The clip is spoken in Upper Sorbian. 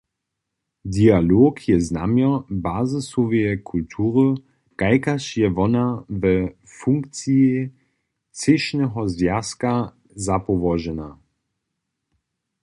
Dialog je znamjo bazisoweje kultury, kajkaž je wona we funkciji třěšneho zwjazka zapołožena.